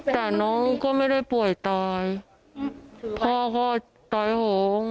แต่น้องก็ไม่ได้ป่วยตายพ่อก็ตายโหงน้องก็ตายโหง